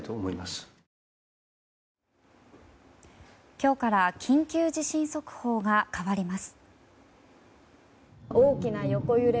今日から緊急地震速報が変わります。